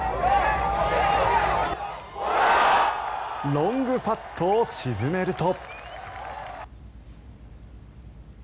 ロングパットを沈めると。